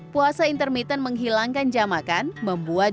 puasa intermittent menghilangkan jam makan membuat